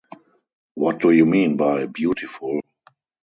What do you mean by beautiful?